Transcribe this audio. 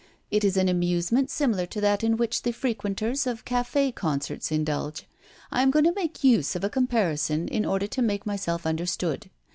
It is an amusement similar to that in which the frequenters of café concerts indulge. I am going to make use of a comparison in order to make myself understood.